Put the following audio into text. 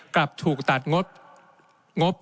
กลับถูกตัดงบ